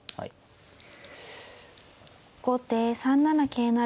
後手３七桂成。